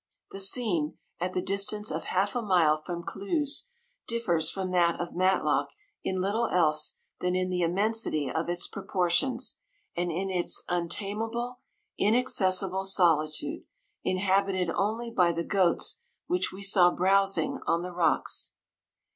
The scene, at the distance of half a mile from Cluses, differs from that of Matlock in little else than in the immensity of its pro portions, and in its untameable, inac cessible solitude, inhabited only by the goats which we saw browsing on the rocks.